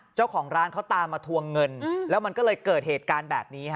เจ้าของร้านเขาตามมาทวงเงินแล้วมันก็เลยเกิดเหตุการณ์แบบนี้ฮะ